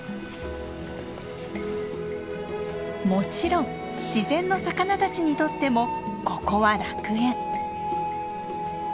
もちろん自然の魚たちにとってもここは楽園。